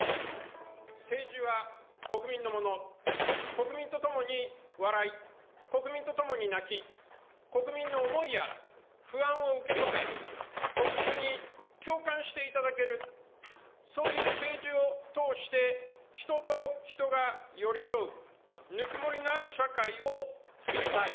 政治は国民のもの、国民とともに笑い、国民とともに泣き、国民の思いや不安を受け止め、国民に共感していただける、そういう政治を通して、人と人が寄り添うぬくもりのある社会を作りたい。